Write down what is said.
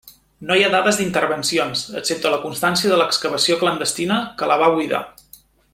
No hi ha dades d'intervencions, excepte la constància de l'excavació clandestina que la va buidar.